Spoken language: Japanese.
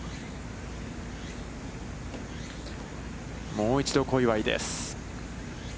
もう一度、小祝です。